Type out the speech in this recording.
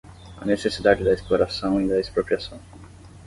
a necessidade da exploração e da expropriação